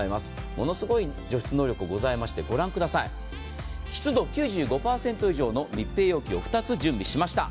ものすごい除湿能力がございまして、湿度９５％以上の密閉容器を２つ用意しました。